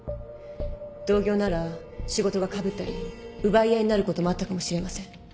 同業なら仕事がかぶったり奪い合いになることもあったかもしれません。